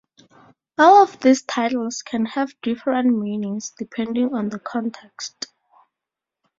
All of these titles can have different meanings depending on the context.